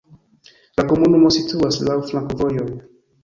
La komunumo situas laŭ flankovojoj.